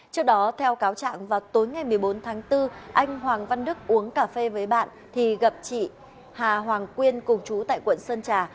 trước đó theo cáo trạng vào tối ngày một mươi bốn tháng bốn anh hoàng văn đức uống cà phê với bạn thì gặp chị hà hoàng quyên cùng chú tại quận sơn trà